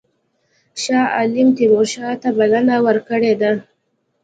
شاه عالم تیمورشاه ته بلنه ورکړې ده.